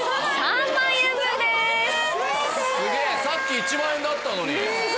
さっき１万円だったのに！